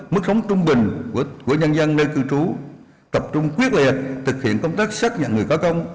mức sống trung bình của nhân dân nơi cư trú tập trung quyết liệt thực hiện công tác xác nhận người có công